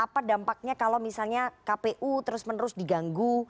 apa dampaknya kalau misalnya kpu terus menerus diganggu